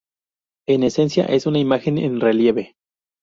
En esencia, es una imagen en relieve.